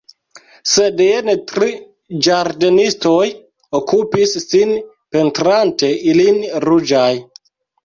Sed jen tri ĝardenistoj okupis sin pentrante ilin ruĝaj.